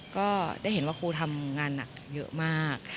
ก็ได้เห็นว่าครูทำงานหนักเยอะมาก